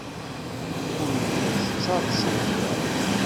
Ur yi-tettalseḍ kra.